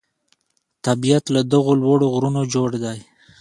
طبیعت له دغو لوړو غرونو جوړ دی.